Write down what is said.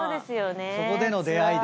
そこでの出会いで。